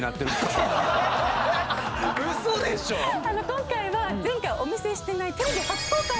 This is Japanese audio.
今回は前回お見せしてない。